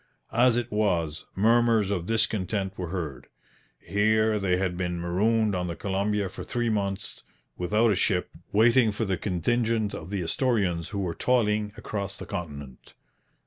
As it was, murmurs of discontent were heard. Here they had been marooned on the Columbia for three months without a ship, waiting for the contingent of the Astorians who were toiling across the continent.